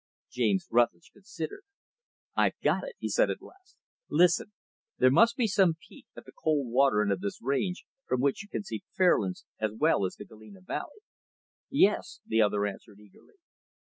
James Rutlidge considered. "I've got it!" he said at last. "Listen! There must be some peak, at the Cold Water end of this range, from which you can see Fairlands as well as the Galena Valley." "Yes," the other answered eagerly.